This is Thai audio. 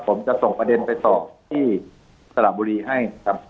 ผมจะส่งประเด็นไปสอบที่สระบุรีให้ครับ